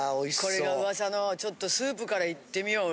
これが噂のちょっとスープからいってみようよ。